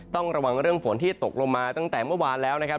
ต้องระวังเรื่องฝนที่ตกลงมาตั้งแต่เมื่อวานแล้วนะครับ